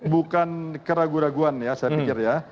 bukan keraguan keraguan ya saya pikir ya